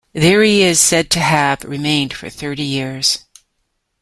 There he is said to have remained for thirty years.